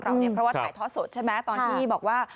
เพราะว่าถ่ายทอดสดใช่ไหมตอนที่บอกว่า